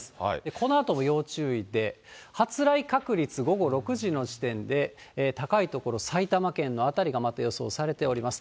このあとも要注意で、発雷確率午後６時の時点で、高い所、埼玉県の辺りがまた予想されております。